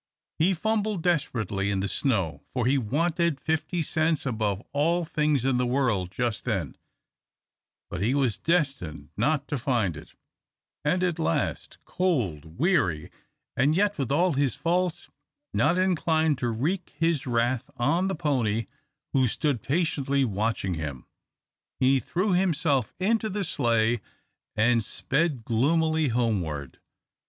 He fumbled desperately in the snow, for he wanted fifty cents above all things in the world just then, but he was destined not to find it; and at last, cold, weary, and yet with all his faults not inclined to wreak his wrath on the pony who stood patiently watching him, he threw himself into the sleigh and sped gloomily homeward.